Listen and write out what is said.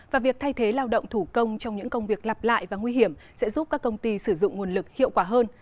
và việc thay thế lao động thủ công trong những công việc lặp lại và nguy hiểm sẽ giúp các công ty sử dụng nguồn lực hiệu quả hơn